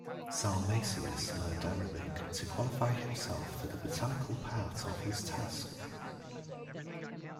Salmasius learned Arabic to qualify himself for the botanical part of his task.